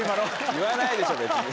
言わないでしょ別に。